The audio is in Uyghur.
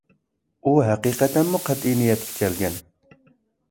ئۇ ھەقىقەتەنمۇ قەتئىي نىيەتكە كەلگەن.